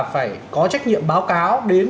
phải có trách nhiệm báo cáo đến